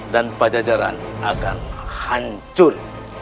dan pajajaran akan hancur